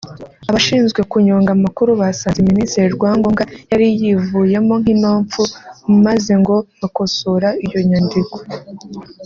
abashinzwe kunyonga amakuru basanze Ministre Rwangombwa yari yivuyemo nk’inopfu maze ngo ”bakosora iyo nyandiko”